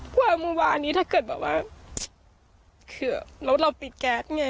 เพื่อเมื่อวานนี้ถ้าเกิดแบบว่าคือรถเราปิดแก๊สไง